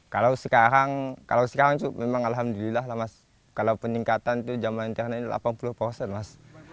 kalau sekarang memang alhamdulillah lah mas kalau peningkatan itu jambatan internet delapan puluh mas